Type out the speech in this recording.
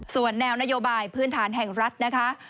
ส่วนแนวนโยบายพื้นฐานแห่งรัฐนะคะ